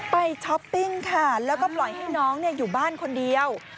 ช้อปปิ้งค่ะแล้วก็ปล่อยให้น้องอยู่บ้านคนเดียว